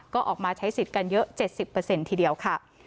ก็ออกมาใช้สิทธิ์กันเยอะ๗๐ทีเดียวค่ะ